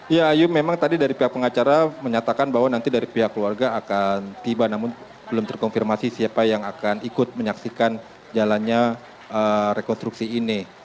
ya ayu memang tadi dari pihak pengacara menyatakan bahwa nanti dari pihak keluarga akan tiba namun belum terkonfirmasi siapa yang akan ikut menyaksikan jalannya rekonstruksi ini